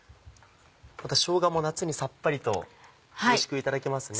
またしょうがも夏にさっぱりとおいしくいただけますね。